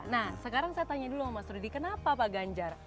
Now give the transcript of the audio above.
nah sekarang saya tanya dulu sama mas rudy kenapa pak ganjar